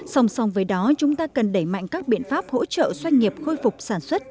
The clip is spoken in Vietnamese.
song song với đó chúng ta cần đẩy mạnh các biện pháp hỗ trợ doanh nghiệp khôi phục sản xuất